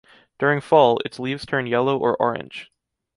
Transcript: During fall, its leaves turn yellow or orange.